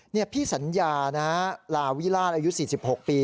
นี่พี่สัญญานะลาวิราชอายุ๔๖ปี